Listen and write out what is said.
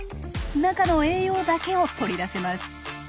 中の栄養だけを取り出せます。